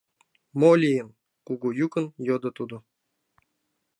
— Мо лийын? — кугу йӱкын йодо тудо.